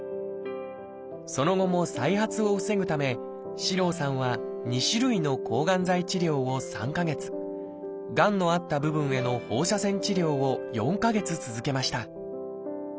その後も再発を防ぐため四郎さんは２種類の抗がん剤治療を３か月がんのあった部分への放射線治療を４か月続けました。